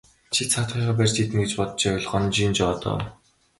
Чи цаадхыгаа барж иднэ гэж бодож байвал гонжийн жоо доо.